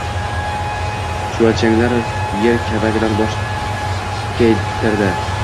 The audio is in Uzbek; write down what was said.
Chuvalchanglar yer kavagidan bosh tikkaytirdi